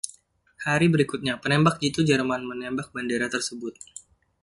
Hari berikutnya penembak jitu Jerman menembak bendera tersebut.